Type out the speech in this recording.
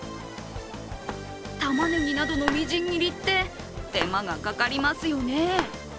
たまねぎなどのみじん切りって、手間がかかりますよね。